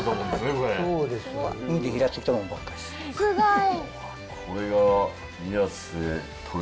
すごい。